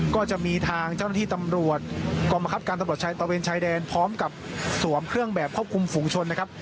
ก็จะมีทางเจ้าหน้าที่ตำรวจกองบังคับการตำรวจชายตะเวนชายแดนพร้อมกับสวมเครื่องแบบควบคุมฝุงชนนะครับ